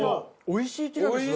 おいしい！